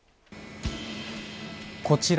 こちら